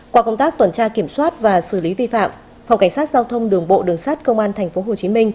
qua công tác tuần tra kiểm soát và xử lý vi phạm phòng cảnh sát giao thông đường bộ đường sát công an tp hcm